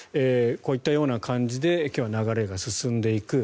こういったような感じで今日は流れが進んでいく。